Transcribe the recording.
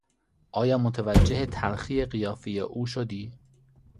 آیا متوجه تلخی قیافه او شدی؟